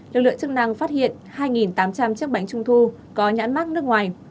lực lượng chức năng phát hiện hai tám trăm linh chiếc bánh trung thu có nhãn mát nước ngoài